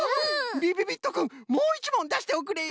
びびびっとくんもう１もんだしておくれよ。